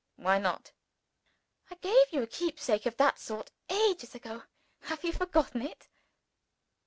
"Why not?" "I gave you a keepsake of that sort ages ago. Have you forgotten it?"